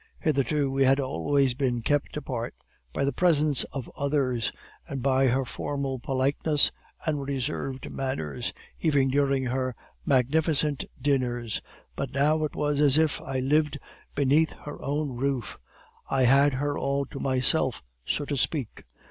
Hitherto we had always been kept apart by the presence of others, and by her formal politeness and reserved manners, even during her magnificent dinners; but now it was as if I lived beneath her own roof I had her all to myself, so to speak.